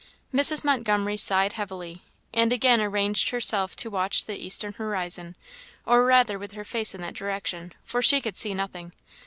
Mrs. Montgomery sighed heavily, and again arranged herself to watch the eastern horizon, or rather with her face in that direction; for she could see nothing.